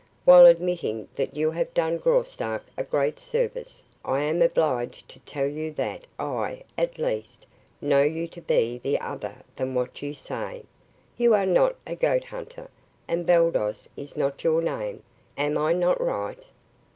"While admitting that you have done Graustark a great service, I am obliged to tell you that I, at least, know you to be other than what you say. You are not a goat hunter, and Baldos is not your name. Am I not right?"